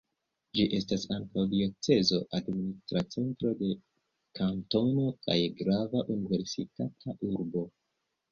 Ĝi estas ankaŭ diocezo, administra centro de kantono kaj grava universitata urbo.